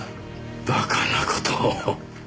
馬鹿な事を。